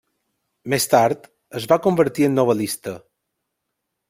Més tard es va convertir en novel·lista.